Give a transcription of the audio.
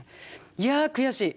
いや悔しい。